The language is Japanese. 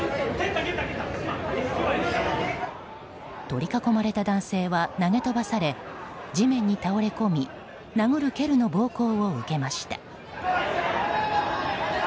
取り囲まれた男性は投げ飛ばされ地面に倒れ込み殴る蹴るの暴行を受けました。